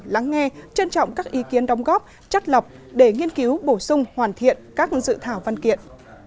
lắng nghe trân trọng các ý kiến đóng góp chất lọc để nghiên cứu bổ sung hoàn thiện các dự thảo văn kiện